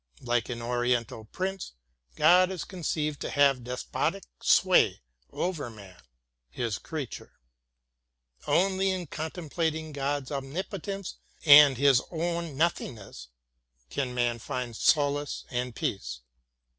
Like an Oriental prince, God is conceived to have despotic sway over man, his creature. Only in contemplating God's omnipotence and his own nothingness can man find solace and peace.